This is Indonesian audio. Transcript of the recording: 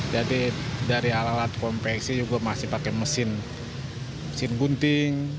jadi dari alat konveksi juga masih pakai mesin gunting